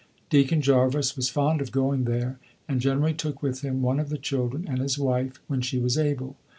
Deacon Jarvis was fond of going there, and generally took with him one of the children and his wife, when she was able.